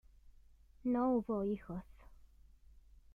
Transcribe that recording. No hubo hijos.